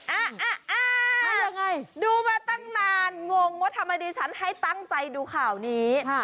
ดูมาตั้งนานงงว่าทำไมดิฉันให้ตั้งใจดูข่าวนี้